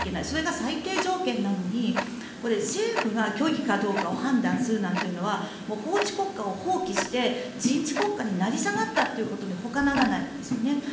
それが最低条件なのに政府が虚偽かどうかを判断するなんていうのは法治国家を放棄して人治国家に成り下がったということに他ならないですよね。